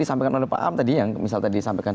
disampaikan oleh pak am tadi misalnya disampaikan